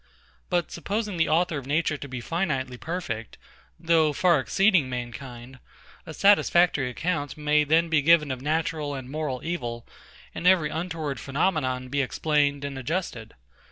But supposing the Author of Nature to be finitely perfect, though far exceeding mankind, a satisfactory account may then be given of natural and moral evil, and every untoward phenomenon be explained and adjusted.